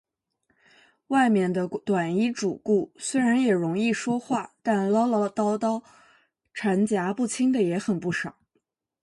外面的短衣主顾，虽然容易说话，但唠唠叨叨缠夹不清的也很不少。